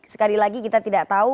sekali lagi kita tidak tahu